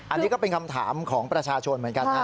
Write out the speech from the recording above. อันนี้ก็เป็นคำถามของประชาชนเหมือนกันนะ